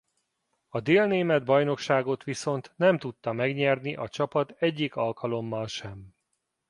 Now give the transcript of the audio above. A Dél-német bajnokságot viszont nem tudta megnyerni a csapat egyik alkalommal sem.